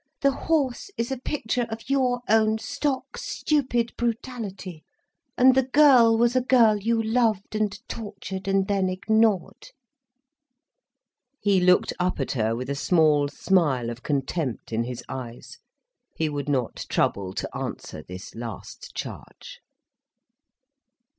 "The horse is a picture of your own stock, stupid brutality, and the girl was a girl you loved and tortured and then ignored." He looked up at her with a small smile of contempt in his eyes. He would not trouble to answer this last charge.